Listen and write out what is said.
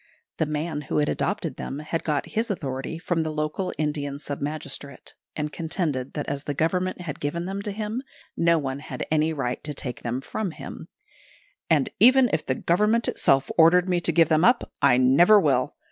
The man who had adopted them had got his authority from the local Indian sub magistrate; and contended that as the Government had given them to him, no one had any right to take them from him; "and even if the Government itself ordered me to give them up, I never will.